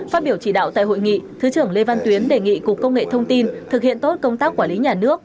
phát biểu chỉ đạo tại hội nghị thứ trưởng lê văn tuyến đề nghị cục công nghệ thông tin thực hiện tốt công tác quản lý nhà nước